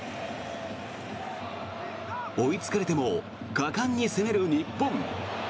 追いつかれても果敢に攻める日本。